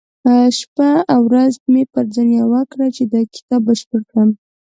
شپه او ورځ مې پر ځان يوه کړه چې دا کتاب بشپړ کړم.